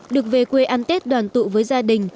được về quê ăn tết đoàn tụ với gia đình